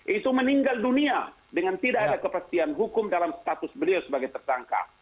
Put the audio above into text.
itu meninggal dunia dengan tidak ada kepastian hukum dalam status beliau sebagai tersangka